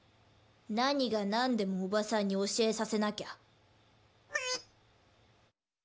何が何でもおばさんに教えさせなきゃ。